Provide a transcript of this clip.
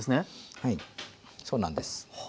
はいそうなんです。